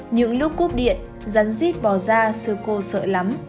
những lúc cúp điện rắn giít bò ra sư cô sợ lắm